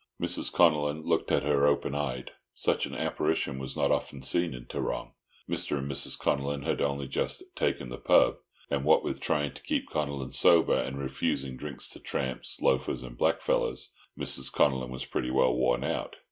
Mrs. Connellan looked at her open eyed. Such an apparition was not often seen in Tarrong. Mr. and Mrs. Connellan had only just "taken the pub.", and what with trying to keep Connellan sober and refusing drinks to tramps, loafers, and black fellows, Mrs. Connellan was pretty well worn out.